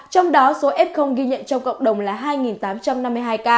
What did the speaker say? trong đó số f ghi nhận trong cộng đồng là hai tám trăm năm mươi hai ca